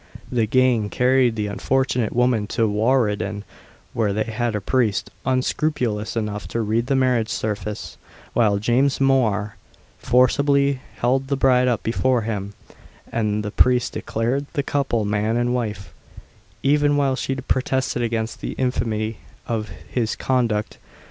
The gang carried the unfortunate woman to Rowardennan, where they had a priest unscrupulous enough to read the marriage service, while James Mhor forcibly held the bride up before him; and the priest declared the couple man and wife, even while she protested against the infamy of his conduct.